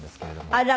あら！